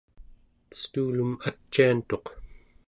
estuulum aciantuq